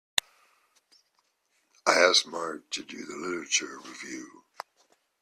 I asked Mark to do the literature review.